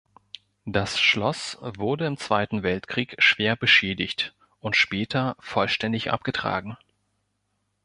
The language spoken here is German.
Das Schloss wurde im Zweiten Weltkrieg schwer beschädigt und später vollständig abgetragen.